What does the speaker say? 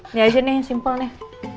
ini aja nih yang simpel nih